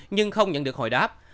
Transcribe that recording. nhưng không nhận được hỏi đáp